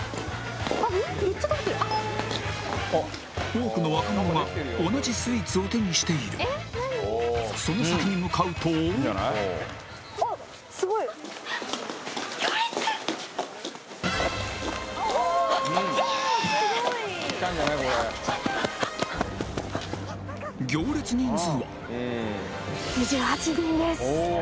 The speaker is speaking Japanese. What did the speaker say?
多くの若者が同じスイーツを手にしている２８人です